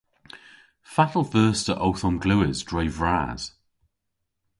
Fatel veus ta owth omglewes dre vras?